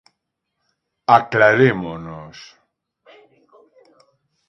¡Aclarémonos!